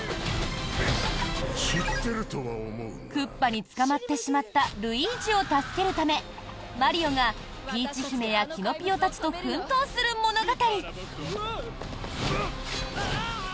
クッパに捕まってしまったルイージを助けるためマリオがピーチ姫やキノピオたちと奮闘する物語。